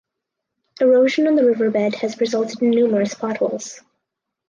Erosion on the riverbed has resulted in numerous potholes.